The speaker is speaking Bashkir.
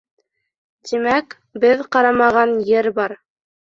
Тимәк, беҙ ҡарамаған ер бар!